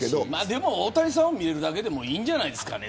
でも、大谷さんを見れるだけでもいいんじゃないですか。